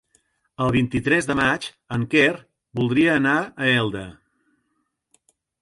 El vint-i-tres de maig en Quer voldria anar a Elda.